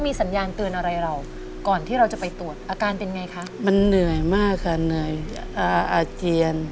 มันเหนื่อยมากค่ะเหนื่อยอาเกียน